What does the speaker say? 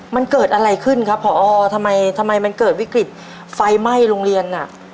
มันเกิดอะไรขึ้นครับผอทำไมมันเกิดวิกฤตฟ้ายไหม้โรงเรียน